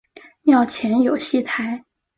庙前有戏台。